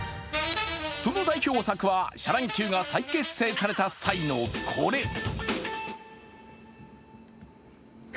その代表作はシャ乱Ｑが再結成された際の、これ。